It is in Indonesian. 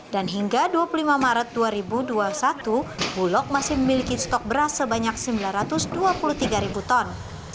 dan hingga dua puluh lima maret dua ribu dua puluh satu bulog masih memiliki stok beras sebanyak sembilan ratus dua puluh tiga ribu ton